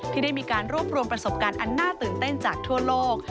ที่ได้มีการรวบรวมประสบการณ์อันน่าตื่นเต้นจากทั่วโลก